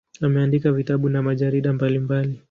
Ameandika vitabu na majarida mbalimbali.